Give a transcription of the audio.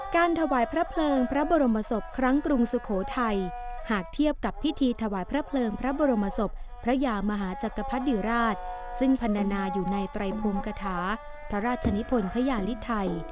การถวายพระเพลิงพระบรมศพครั้งกรุงสุโขทัยหากเทียบกับพิธีถวายพระเพลิงพระบรมศพพระยามหาจักรพรรดิราชซึ่งพันนาอยู่ในไตรภูมิกฐาพระราชนิพลพระยาลิไทย